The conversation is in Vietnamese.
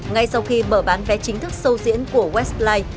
ngay sau khi mở bán vé chính thức sâu diễn của westline